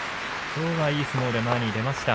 きょうは、いい相撲で前に出ました。